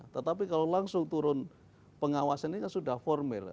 tetapi kalau langsung turun pengawasan ini sudah formel